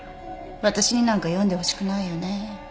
私になんか読んでほしくないよね？